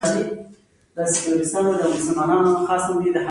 نوره د هغوی خوښه وه چې هر څه یې ترې جوړول